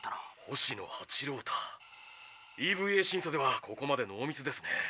星野八郎太ＥＶＡ審査ではここまでノーミスですね。